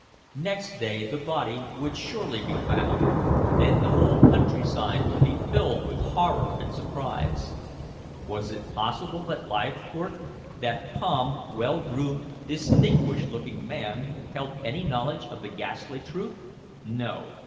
Next day the body would surely be found; then the whole countryside would be filled with horror and surprise. Was it possible that Leithcourt, that calm, well groomed, distinguished looking man, held any knowledge of the ghastly truth? No.